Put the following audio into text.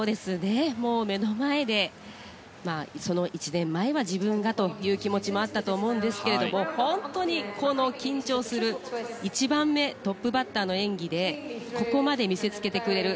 目の前で１年前は、自分がという思いもあったと思いますが本当にこの緊張するトップバッターの演技でここまで見せつけてくれる。